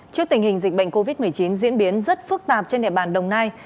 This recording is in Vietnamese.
trước tình hình dịch bệnh covid một mươi chín diễn biến rất phức tạp trên địa bàn đồng nai